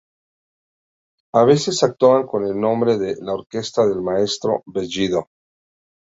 A veces actuaban con el nombre de "La Orquesta del Maestro Bellido".